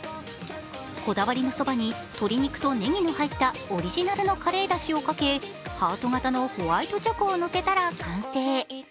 こだわりのそばに鶏肉とネギの入ったオリジナルのカレーだしをかけ、ハート形のホワイトチョコをのせたら完成。